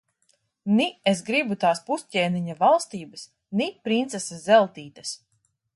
Ni es gribu tās pusķēniņa valstības, ni princeses Zeltītes.